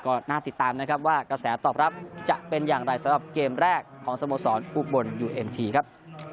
ก็น่าติดตามนะครับว่ากระแสตอบรับจะเป็นอย่างไรสำหรับเกมแรกของสโมสรอุบลยูเอ็มทีครับ